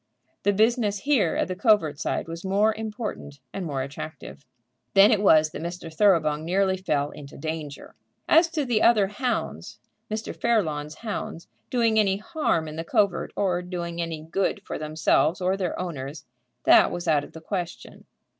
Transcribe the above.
The business here at the covert side was more important and more attractive. Then it was that Mr. Thoroughbung nearly fell into danger. As to the other hounds, Mr. Fairlawn's hounds, doing any harm in the covert, or doing any good for themselves or their owners, that was out of the question.